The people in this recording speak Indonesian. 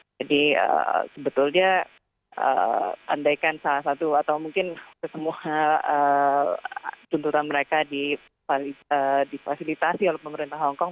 jadi sebetulnya andaikan salah satu atau mungkin semua tuntutan mereka difasilitasi oleh pemerintah hongkong